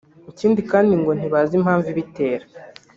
Ikindi kandi ngo ntibazi impamvu ibitera